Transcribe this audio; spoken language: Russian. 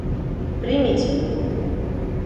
Примите его.